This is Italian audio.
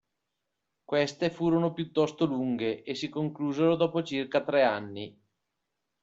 Queste furono piuttosto lunghe, e si conclusero dopo circa tre anni.